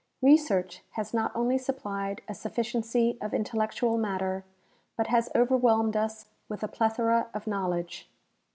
Researcli has not only supplied a sufficiency of intellectual matter, but has overwhelmed us with a plethora of knowledge.